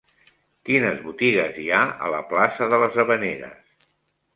Quines botigues hi ha a la plaça de les Havaneres?